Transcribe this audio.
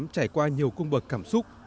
trải qua nhiều cung bậc cảm xúc